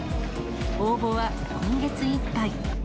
応募は今月いっぱい。